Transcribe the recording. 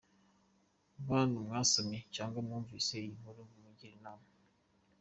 Bantu mwasomye cyangwa mwumvise iyi nkuru mungire inama.